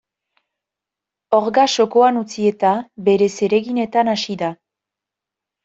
Orga txokoan utzi eta bere zereginetan hasi da.